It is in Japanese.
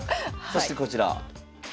そしてこちら。